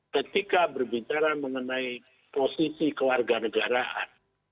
ketika berbicara mengenai posisi kewarganegaraan